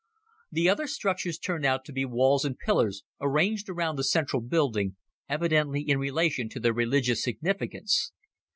The other structures turned out to be walls and pillars arranged around the central building, evidently in relation to their religious significance.